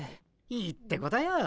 いいってことよ。